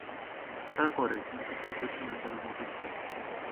তা করে, কিন্তু তার পেছনে কোনো মোটিভ থাকে।